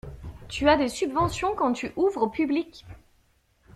Tu as des subventions quand tu ouvres au public.